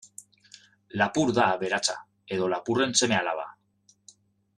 Lapur da aberatsa, edo lapurren seme-alaba.